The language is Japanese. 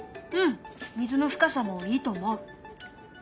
うん水の深さもいいと思う。